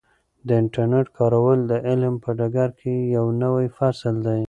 د انټرنیټ کارول د علم په ډګر کې یو نوی فصل دی.